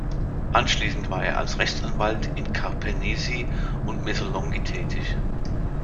Anschließend war er als Rechtsanwalt in Karpenisi und Messolongi tätig.